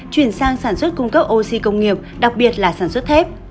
chuyển sang sản xuất cung cấp oxy công nghiệp đặc biệt là sản xuất thép